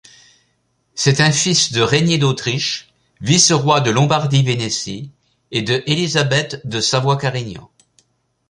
C'est un fils de Rainier d'Autriche, vice-roi de Lombardie-Vénétie et de Élisabeth de Savoie-Carignan.